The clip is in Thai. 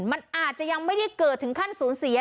มันอาจจะยังไม่ได้เกิดถึงขั้นสูญเสีย